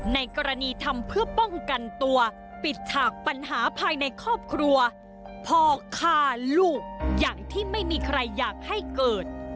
ในกรณีทำเพื่อป้องกันตัวปิดฉากปัญหาภายในครอบครัวพ่อฆ่าลูกอย่างที่ไม่มีใครอยากให้เกิด